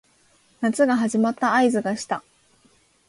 夏が始まった合図がした